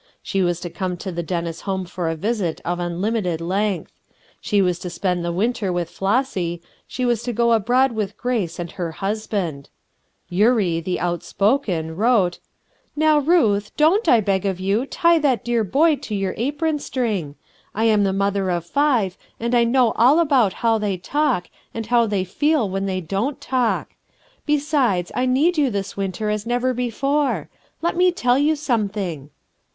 She was to come to the Dennis home for a visit of unlimited length ; she was to spend the winter with Flossy ; she was to go abroad with Grace and her hus band* Eurie, the outspoken, wuote: — "Now, Ruth, don't, I beg of you, tie that dear boy to your apron string. I am the mother of MAMIE PARKER 33 five, and I know all about how they talk, and how they feel when they don't talk. Besides, I need you this winter as never before; let me tell you something."